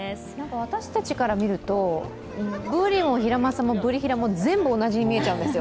私たちから見るとブリもヒラマサもブリヒラも全部同じに見えちゃうんですよ。